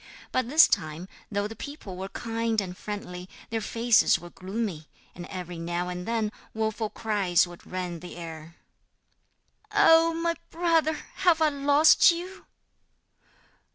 But this time, though the people were kind and friendly, their faces were gloomy, and every now and then woeful cries would rend the air. 'Oh! my brother, have I lost you?'